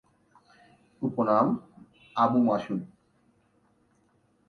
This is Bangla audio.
উপনাম: আবু মাসুদ।